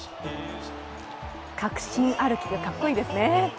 確信歩きがかっこいいですね。